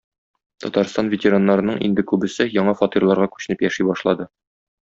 Татарстан ветераннарының инде күбесе яңа фатирларга күченеп яши башлады.